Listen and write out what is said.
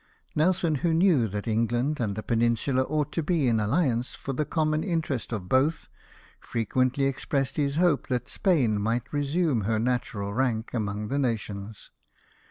Nelson, who knew that England and the Peninsula ought to be in alliance, for the common interest of both, frequently expressed his hopes that Spain might resume her natural rank among the nations.